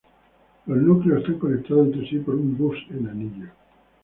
Los núcleos están conectados entre sí por un bus en anillo.